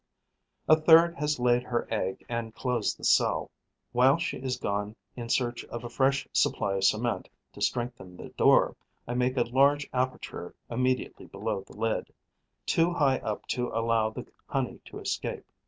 A third has laid her egg and closed the cell. While she is gone in search of a fresh supply of cement to strengthen the door, I make a large aperture immediately below the lid, too high up to allow the honey to escape.